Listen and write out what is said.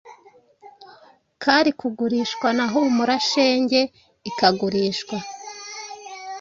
kari kugurishw na Humura Shenge ikagurishwa .